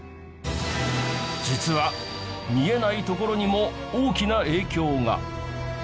実は見えない所にも大きな影響が。